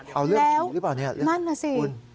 เอาเรื่องถึงหรือเปล่าเรื่องนั้นสิ